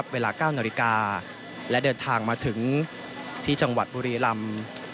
เวลา๙นาฬิกาและเดินทางมาถึงที่จังหวัดบุรีรำ